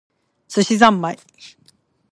寿司ざんまい